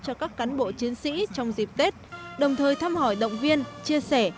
cho các cán bộ chiến sĩ trong dịp tết đồng thời thăm hỏi động viên chia sẻ